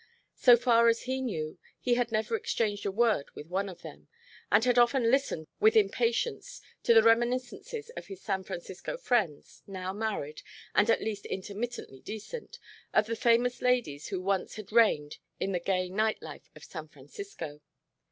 So far as he knew he had never exchanged a word with one of them, and had often listened with impatience to the reminiscences of his San Francisco friends, now married and at least intermittently decent, of the famous ladies who once had reigned in the gay night life of San Francisco.